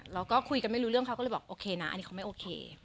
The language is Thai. เราก็คุยกันไม่รู้เรื่องเขาก็เลยบอกโอเคนะอันนี้เขาไม่โอเค